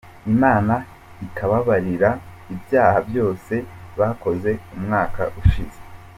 Imana ikabababarira ibyaha byose bakoze umwaka ushize.